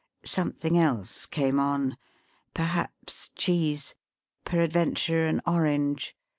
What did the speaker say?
Something else came on — perhaps cheese, peradventure an orange.